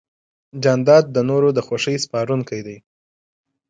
جانداد د نورو د خوښۍ سپارونکی دی.